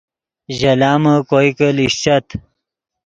ژے لامے کوئے کہ لیشچت